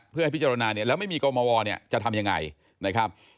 เพื่อให้พิจารณาและไม่มีกรมโวรจะทำยังไง